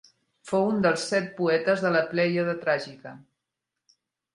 Fou un dels set poetes de la plèiade tràgica.